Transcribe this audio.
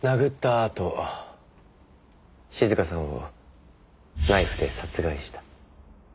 あと静香さんをナイフで殺害した。